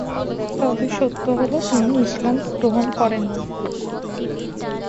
তবে সত্য হলো তিনি ইসলাম গ্রহণ করেননি।